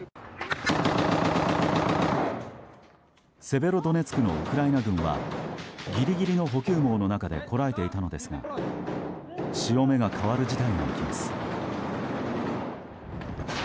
セベロドネツクのウクライナ軍はギリギリの補給網の中でこらえていたのですが潮目が変わる事態が起きます。